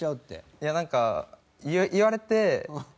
いやなんか言われて。